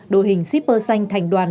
đội hình shipper xanh thành đoàn